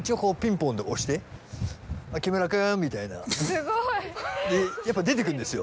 フッ！でやっぱ出てくるんですよ